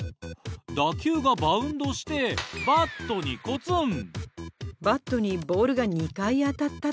打球がバウンドしてバットにコツン！